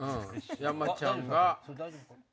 山ちゃんが。